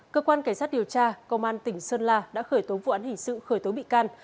cơ quan cảnh sát điều tra công an tỉnh sơn la đã khởi tố vụ án hình sự khởi tố bị can